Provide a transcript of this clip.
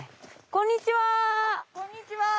こんにちは！